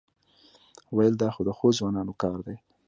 وېل دا خو د ښو ځوانانو کار دی.